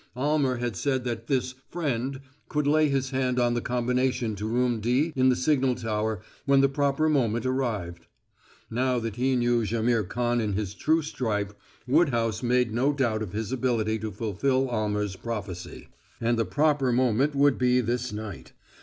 Almer had said that this "friend" could lay his hand on the combination to Room D in the signal tower when the proper moment arrived. Now that he knew Jaimihr Khan in his true stripe, Woodhouse made no doubt of his ability to fulfill Almer's prophecy. And the proper moment would be this night!